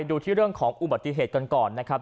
ดูที่เรื่องของอุบัติเหตุกันก่อนนะครับ